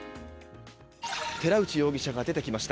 寺内容疑者が出てきました。